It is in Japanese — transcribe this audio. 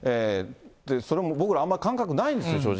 それも僕ら、あんまり感覚ないんですよ、正直。